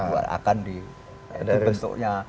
bahwa itu tidak akan di